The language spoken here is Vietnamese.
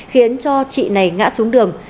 khiến cho chị này ngã xuống đường